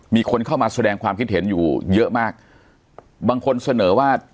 มีคนเข้ามาแสดงความคิดเห็นอยู่เยอะมากบางคนเสนอว่า